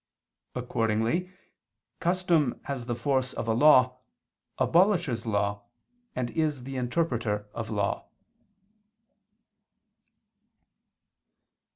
Accordingly, custom has the force of a law, abolishes law, and is the interpreter of law.